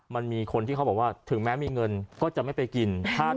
มันมีคนที่เขาบอกว่าถึงแม้มีเงินก็จะไม่ไปกิน